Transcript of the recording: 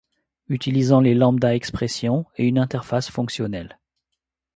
Utilisant les lambda expression et une interface fonctionnelle.